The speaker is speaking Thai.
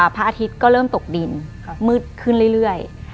พระอาทิตย์ก็เริ่มตกดินมืดขึ้นเรื่อย